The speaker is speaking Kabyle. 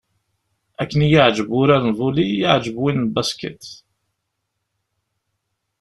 Akken i y-iεǧeb wurar n volley i y-iεǧeb win n basket.